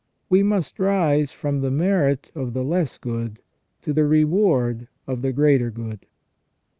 ... We must rise from the merit of the less good to the reward of the greater good."